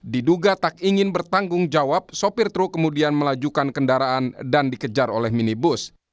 diduga tak ingin bertanggung jawab sopir truk kemudian melajukan kendaraan dan dikejar oleh minibus